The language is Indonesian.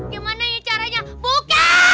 gimana caranya buka